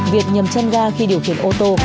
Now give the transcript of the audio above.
việc nhầm chân ga khi điều khiển ô tô